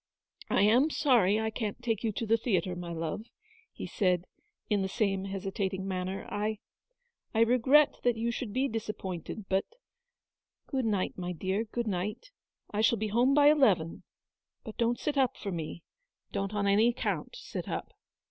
" I am sorry I can't take you to the theatre, my love," he said, in the same hesitating manner. " I — I regret that you should be disappointed, but — good night, my dear, good night. I shall be home by eleven ; but don't sit up for me ; don't on any account sit up."